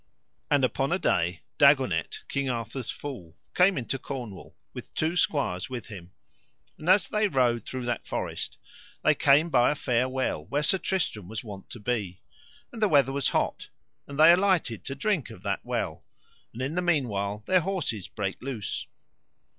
And upon a day Dagonet, King Arthur's fool, came into Cornwall with two squires with him; and as they rode through that forest they came by a fair well where Sir Tristram was wont to be; and the weather was hot, and they alighted to drink of that well, and in the meanwhile their horses brake loose.